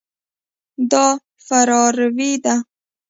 دا فراروی ده.